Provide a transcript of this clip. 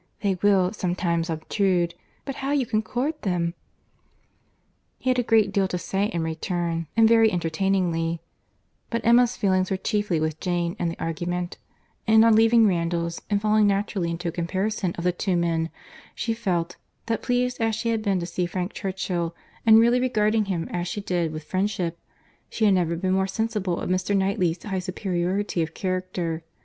—They will sometimes obtrude—but how you can court them!" He had a great deal to say in return, and very entertainingly; but Emma's feelings were chiefly with Jane, in the argument; and on leaving Randalls, and falling naturally into a comparison of the two men, she felt, that pleased as she had been to see Frank Churchill, and really regarding him as she did with friendship, she had never been more sensible of Mr. Knightley's high superiority of character.